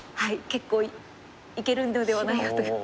結構いけるのではないかという。